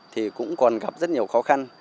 thì cũng còn gặp rất nhiều khó khăn